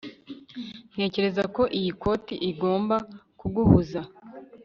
ntekereza ko iyi koti igomba kuguhuza